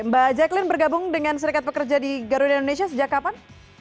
mbak jacqueline bergabung dengan serikat pekerja di garuda indonesia sejak kapan